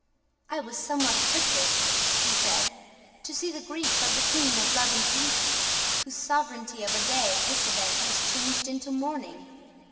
"I was somewhat afflicted," he said, "to see the grief of the Queen of Love and Beauty, whose sovereignty of a day this event has changed into mourning.